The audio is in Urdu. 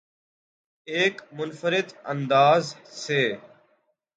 ایک منفرد انداز سے